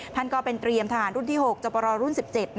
ท่านก็เป็นเตรียมทหารรุ่นที่๖จบรอรุ่น๑๗